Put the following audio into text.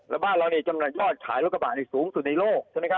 แล้วบ้านเราจำหน่ายยอดขายรถกระบะสูงสุดในโลกใช่ไหมครับ